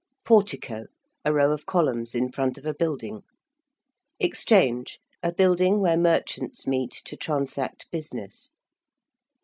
~Portico~: a row of columns in front of a building. ~Exchange~: a building where merchants meet to transact business.